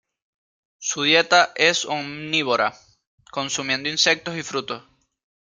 Su dieta es omnívora, consumiendo insectos y frutos.